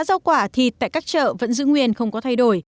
giá rau quả thì tại các chợ vẫn giữ nguyên không có thay đổi